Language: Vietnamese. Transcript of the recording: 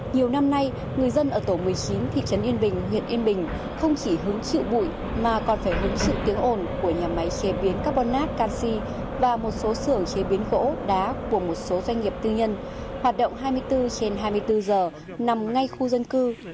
nhiều năm nay người dân ở tổ một mươi chín thị trấn yên bình huyện yên bình không chỉ hứng chịu bụi mà còn phải hứng chịu tiếng ồn của nhà máy chế biến carbonát canxi và một số sưởng chế biến gỗ đá của một số doanh nghiệp tư nhân hoạt động hai mươi bốn trên hai mươi bốn giờ nằm ngay khu dân cư